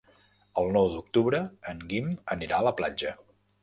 El nou d'octubre en Guim anirà a la platja.